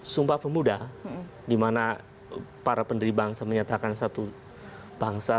sumpah pemuda di mana para pendiri bangsa menyatakan satu bangsa